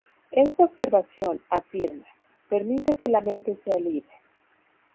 Esta observación, afirma, permite que la mente sea libre.